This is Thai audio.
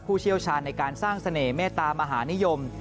เชี่ยวชาญในการสร้างเสน่หมตามหานิยม